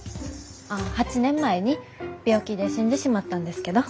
あ８年前に病気で死んでしまったんですけど。